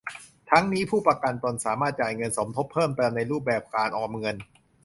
ทั้งนี้ผู้ประกันตนสามารถจ่ายเงินสมทบเพิ่มเติมในรูปแบบการออมเงิน